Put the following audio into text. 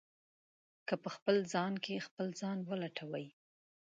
که په خپل ځان کې خپل ځان ولټوئ.